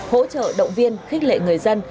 hỗ trợ động viên khích lệ người dân